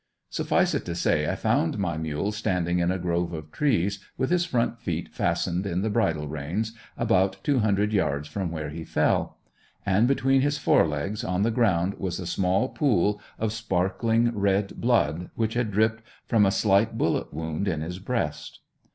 Suffice it to say I found my mule standing in a grove of trees, with his front feet fastened in the bridle reins, about two hundred yards from where he fell. And between his forelegs, on the ground was a small pool of sparkling red blood, which had dripped from a slight bullet wound in his breast.